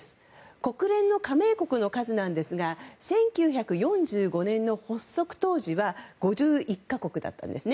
国連の加盟国の数ですが１９４５年の発足当時は５１か国だったんですね。